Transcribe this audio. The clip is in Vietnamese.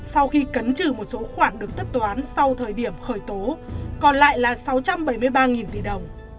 sau khi cấn trừ một số khoản được tất toán sau thời điểm khởi tố còn lại là sáu trăm bảy mươi ba tỷ đồng